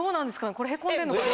これへこんでんのかな？